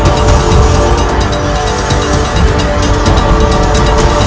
aku tidak akan seterusnya mengalah